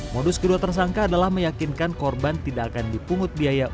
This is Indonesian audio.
modus kedua tersangka adalah meyakinkan korban tidak akan dipungut biaya